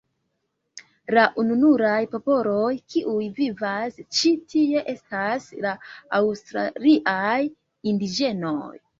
La ununuraj popoloj, kiuj vivas ĉi tie estas la aŭstraliaj indiĝenoj.